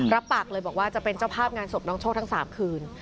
รับปากเลยบอกว่าจะเป็นเจ้าภาพงานศพน้องโชคทั้ง๓คืน